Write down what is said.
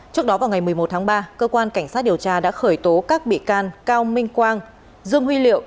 trước đó vào ngày một mươi một tháng ba cơ quan cảnh sát điều tra đã khởi tố các bị can cao minh quang dương huy liệu